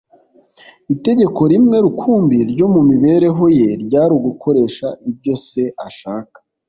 Itegeko rimwe rukumbi ryo mu mibereho ye ryari ugukora ibyo Se ashaka.